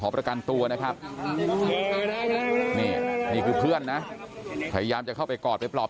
ประกันตัวนะครับนี่นี่คือเพื่อนนะพยายามจะเข้าไปกอดไปปลอบ